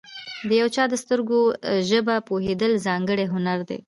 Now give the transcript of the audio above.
د یو چا د سترګو ژبه پوهېدل، ځانګړی هنر دی.